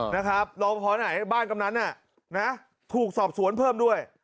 นะครับรอพอไหนบ้านกำนันน่ะนะถูกสอบสวนเพิ่มด้วย